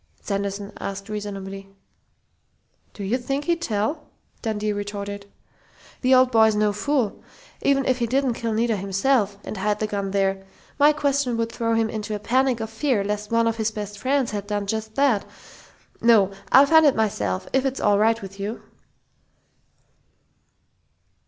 Sanderson asked reasonably. "Do you think he'd tell?" Dundee retorted. "The old boy's no fool. Even if he didn't kill Nita himself and hide the gun there, my question would throw him into a panic of fear lest one of his best friends had done just that.... No, I'll find it myself, if it's all right with you!"